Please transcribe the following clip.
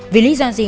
vì lý do gì